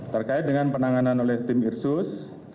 terkait dengan penanganan oleh tim irsus